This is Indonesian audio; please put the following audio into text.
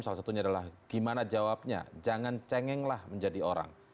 salah satunya adalah gimana jawabnya jangan cengenglah menjadi orang